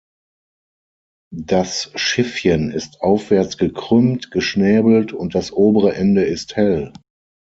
Das Schiffchen ist aufwärts gekrümmt, geschnäbelt und das obere Ende ist hell.